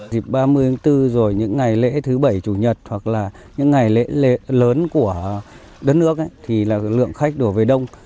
dịp ba mươi tháng bốn rồi những ngày lễ thứ bảy chủ nhật hoặc là những ngày lễ lớn của đất nước thì là lượng khách đổ về đông